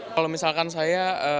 kalau misalkan saya